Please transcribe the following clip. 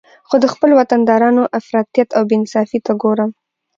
خو د خپل وطندارانو افراطیت او بې انصافي ته ګورم